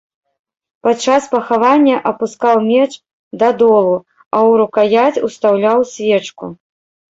Пад час пахавання апускаў меч да долу, а ў рукаяць устаўляў свечку.